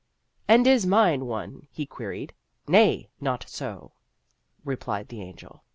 "And is mine one?" he queried. "Nay, not so," Replied the Angel.